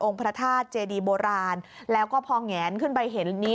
พระธาตุเจดีโบราณแล้วก็พอแงนขึ้นไปเห็นนี้